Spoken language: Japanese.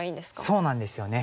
そうなんですよね。